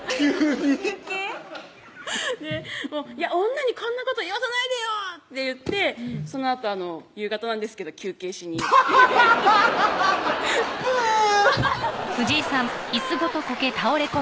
「女にこんなこと言わせないでよ！」って言ってそのあと夕方なんですけど休憩しにプーッ！